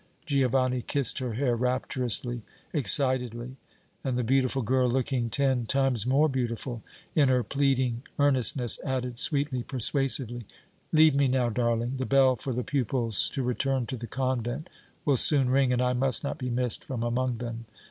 Giovanni kissed her hair rapturously, excitedly, and the beautiful girl, looking ten times more beautiful in her pleading earnestness, added, sweetly, persuasively: "Leave me now, darling. The bell for the pupils to return to the convent will soon ring and I must not be missed from among them.